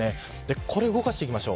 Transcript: これを動かしていきましょう。